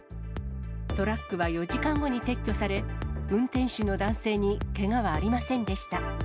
トラックは４時間後に撤去され、運転手の男性にけがはありませんでした。